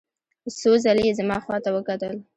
څو ځلې یې زما خواته وکتل.